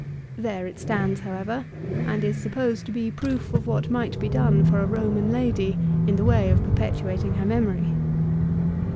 There it stands, however, and is sup posed to be proof of what might be done for a Roman lady in the way of perpetuating her memory.